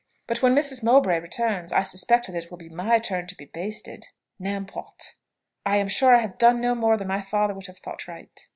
But when Mrs. Mowbray returns I suspect that it will be my turn to be basted: n'importe I am sure I have done no more than my father would have thought right."